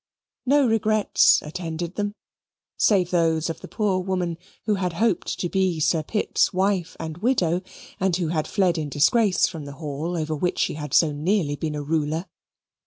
No regrets attended them, save those of the poor woman who had hoped to be Sir Pitt's wife and widow and who had fled in disgrace from the Hall over which she had so nearly been a ruler.